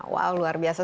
wow luar biasa